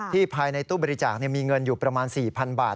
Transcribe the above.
ภายในตู้บริจาคมีเงินอยู่ประมาณ๔๐๐๐บาท